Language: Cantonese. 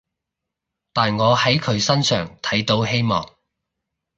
但我喺佢身上睇到希望